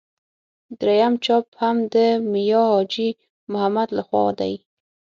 درېیم چاپ هم د میا حاجي محمد له خوا دی.